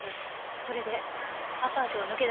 それでアパートを抜け出したのね？